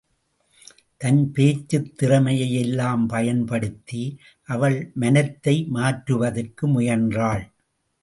தன் பேச்சுத் திறமையை எல்லாம் பயன்படுத்தி, அவள் மனத்தை மாற்றுவதற்கு முயன்றாள்.